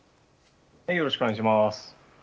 よろしくお願いします。